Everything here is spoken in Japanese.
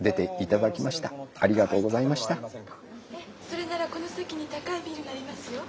それならこの先に高いビルがありますよ。